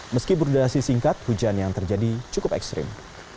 meski berdurasi singkat hujan yang terjadi cukup ekstrim